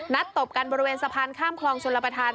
นัดตบกันบริเวณสะพานข้ามคลองชลปฐาน